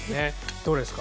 どうですか？